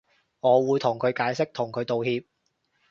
我會同佢解釋同佢道歉